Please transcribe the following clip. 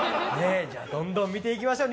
どんどん見ていきましょう